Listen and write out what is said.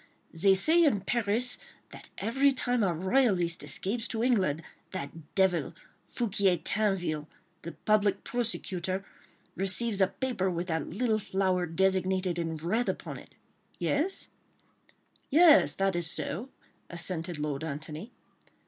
They say in Paris that every time a royalist escapes to England that devil, Foucquier Tinville, the Public Prosecutor, receives a paper with that little flower dessinated in red upon it. ... Yes?" "Yes, that is so," assented Lord Antony.